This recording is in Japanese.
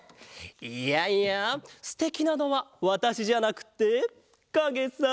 いやいやステキなのはわたしじゃなくてかげさ！